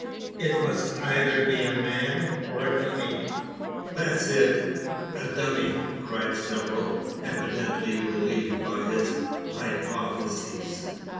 It must eyther be a man, or a dummy!" "That's it a dummy!" cried several, evidently relieved by his hypothesis.